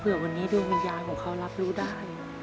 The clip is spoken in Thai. เพื่อวันนี้ดวงวิญญาณของเขารับรู้ได้